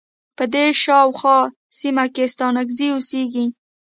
په دې شا او خواه سیمه کې ستانکزی اوسیږی.